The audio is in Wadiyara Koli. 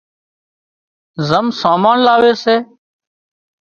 زم سامان لاوي سي